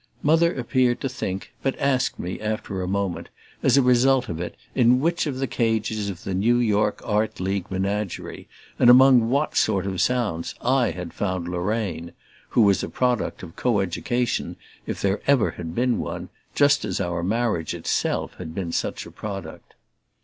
Mother appeared to think, but asked me, after a moment, as a result of it, in which of the cages of the New York Art League menagerie, and among what sort of sounds, I had found Lorraine who was a product of co education if there ever had been one, just as our marriage itself had been such a product.